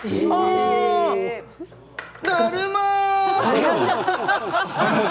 だるま！